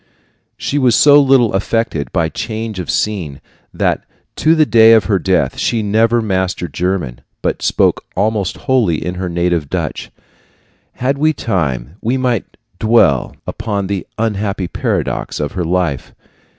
She was so little affected by change of scene that to the day of her death she never mastered German, but spoke almost wholly in her native Dutch. Had we time, we might dwell upon the unhappy paradox of her life.